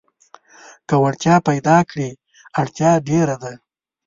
که وړتيا پيداکړې اړتيا ډېره ده.